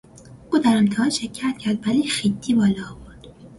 او در امتحان شرکت کرد ولی خیطی بالا آورد.